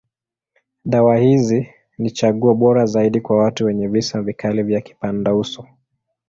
Dawa hizi ni chaguo bora zaidi kwa watu wenye visa vikali ya kipandauso.